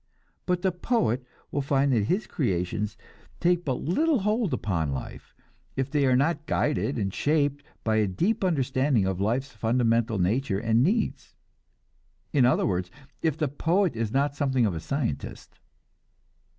But the poet will find that his creations take but little hold upon life, if they are not guided and shaped by a deep understanding of life's fundamental nature and needs in other words, if the poet is not something of a scientist.